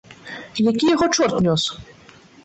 Які яго чорт нёс!